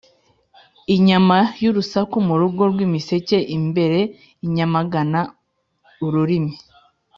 Inyama y'urusaku mu rugo rw'imiseke imbere i Nyamagana-Ururimi.